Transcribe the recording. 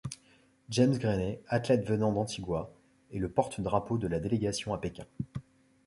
James Grayman, athlète venant d'Antigua, est le porte-drapeau de la délégation à Pékin.